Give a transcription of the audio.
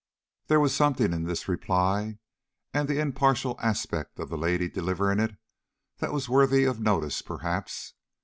There was something in this reply and the impartial aspect of the lady delivering it that was worthy of notice, perhaps.